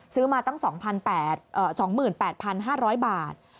ซื้อมาตั้ง๒๘๕๐๐บาท